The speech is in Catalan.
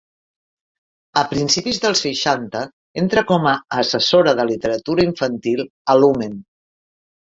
A principis dels seixanta entrà com a assessora de literatura infantil a Lumen.